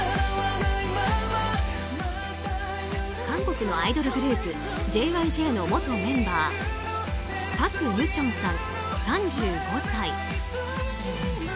韓国のアイドルグループＪＹＪの元メンバーパク・ユチョンさん、３５歳。